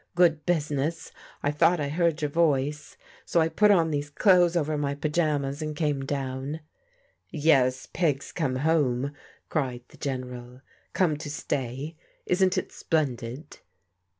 Good business! I thought I heard your voice, so I put on these clothes over my pajamas and came down." " Yes, Peg's come home," cried the General. *' Comt to stay. Isn't it splendid